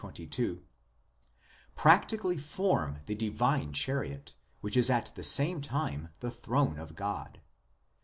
2, 16 22) practically form the divine chariot, which is at the same time the throne of God.